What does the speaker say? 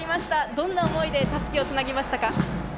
どんな思いで襷をつなぎましたか？